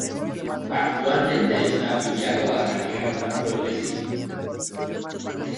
Actualmente está afiliado a la Alianza Progresista.